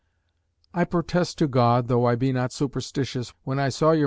"I protest to God, though I be not superstitious, when I saw your M.'